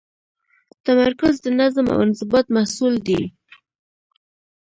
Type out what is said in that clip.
تمرکز د نظم او انضباط محصول دی.